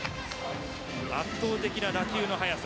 圧倒的な打球の速さ。